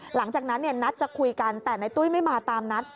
หลังจากนั้นนัดจะคุยกันแต่ในตุ้ยไม่มาตามนัด